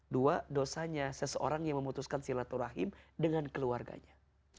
dua dosa nya seseorang yang memutuskan silaturahim dengan keluarganya